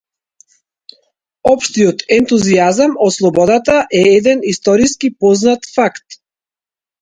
Општиот ентузијазам од слободата е еден историски познат факт.